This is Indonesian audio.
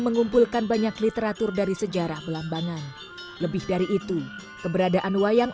mengumpulkan banyak literatur dari sejarah belambangan lebih dari itu keberadaan wayang